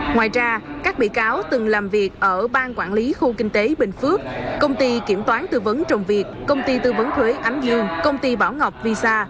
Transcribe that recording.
ngoài ra các bị cáo từng làm việc ở bang quản lý khu kinh tế bình phước công ty kiểm toán tư vấn trồng việt công ty tư vấn thuế ánh dương công ty bảo ngọc visa